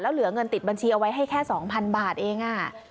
เหลือเงินติดบัญชีเอาไว้ให้แค่๒๐๐บาทเอง